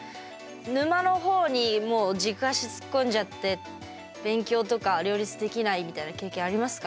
沼の方に、もう軸足突っ込んじゃって勉強とか両立できないみたいな経験ありますか？